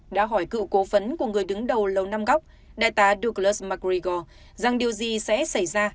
đã hỏi cựu cố vấn của người đứng đầu lầu năm góc đại tá douglas mcgregor rằng điều gì sẽ xảy ra